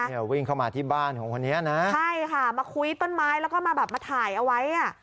เนี่ยวิ่งเข้ามาที่บ้านของคนนี้นะใช่ค่ะมาคุยต้นไม้แล้วก็มาแบบมาถ่ายเอาไว้อ่ะ